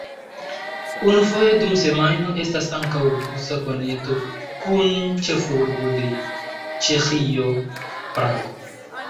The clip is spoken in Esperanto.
Unufoje dum semajno estas ankaŭ busa konekto kun ĉefurbo de Ĉeĥio, Prago.